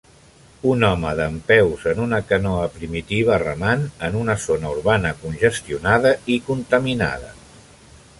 Un home dempeus en una canoa primitiva remant en una zona urbana congestionada i contaminada.